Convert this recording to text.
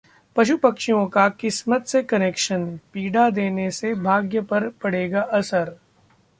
पशु पक्षियों का किस्मत से कनेक्शन? पीड़ा देने से भाग्य पर पड़ेगा असर